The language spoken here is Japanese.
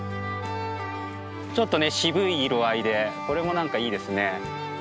ちょっとね渋い色合いでこれも何かいいですね。